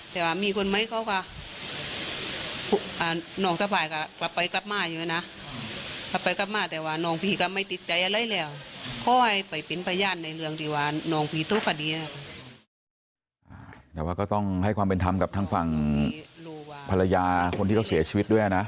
แต่ว่าก็ต้องให้ความเป็นธรรมกับทางฝั่งภรรยาคนที่เขาเสียชีวิตด้วยนะ